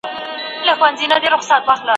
دلته یو ګل چي زمولیږي سل به نور درته ټوکیږي